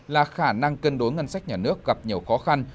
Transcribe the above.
là khả năng cân đối ngân sách nhà nước gặp nhiều khó khăn